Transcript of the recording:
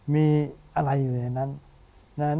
มีอะไรอยู่ในนั้น